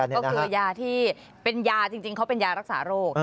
ก็คือยาที่เป็นยาจริงเขาเป็นยารักษาโรค